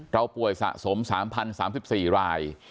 เราป่วยสะสม๓๐๓๔ราย